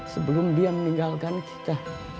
sebelum dia meninggalkan kita